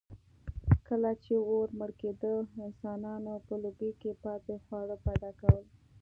کله چې اور مړ کېده، انسانانو په لوګي کې پاتې خواړه پیدا کول.